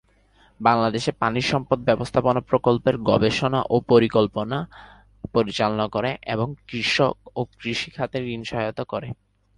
বাংলাদেশে পানি সম্পদ ব্যবস্থাপনা প্রকল্পের গবেষণা ও পরিকল্পনা পরিচালনা করে এবং কৃষক ও কৃষি খাতে ঋণ সহায়তা করে।